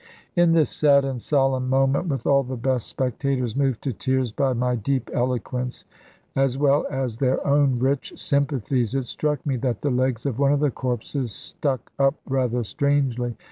In this sad and solemn moment, with all the best spectators moved to tears by my deep eloquence, as well as their own rich sympathies, it struck me that the legs of one of the corpses stuck up rather strangely.